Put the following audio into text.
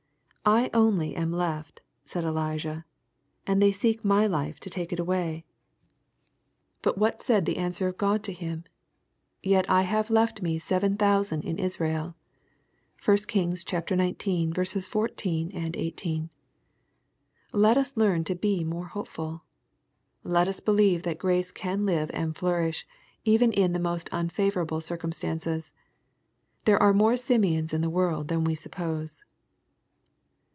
•* I only am left," said Elijah, " and they seek my life to take it away." But what said the answer of God LUKE, CHAP. n. 67 to him, " Yet liave I left me seven thousand in Israel." (1 Kings xix. 14, 18.) Let us learn to he more hopeful. Let us helieve that grace can live and flourish, even in the most unfavorable circumstances. There are more Simeons in the world than we suppose.